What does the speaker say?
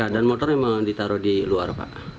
dan motor memang ditaruh di luar pak